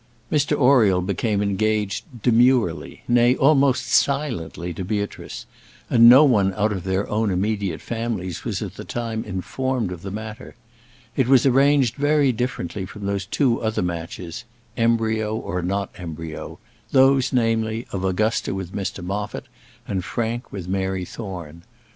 Mr Oriel became engaged demurely, nay, almost silently, to Beatrice, and no one out of their own immediate families was at the time informed of the matter. It was arranged very differently from those two other matches embryo, or not embryo, those, namely, of Augusta with Mr Moffat, and Frank with Mary Thorne.